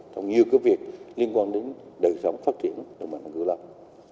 trong nhiều cái việc liên quan đến đời sống phát triển đồng bằng sông cửu long